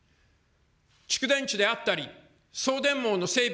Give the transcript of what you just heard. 蓄電池であったり、送電網の整備、